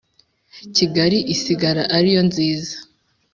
Kigali isigara ari yo nziza